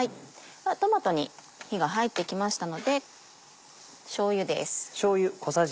ではトマトに火が入ってきましたのでしょうゆです。